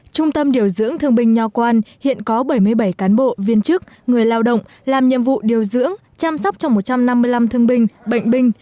trung tâm điều dưỡng thương binh nho quan hiện có bảy mươi bảy cán bộ viên chức người lao động làm nhiệm vụ điều dưỡng chăm sóc cho một trăm năm mươi năm thương binh bệnh binh